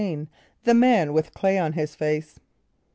The Man with Clay on his Face.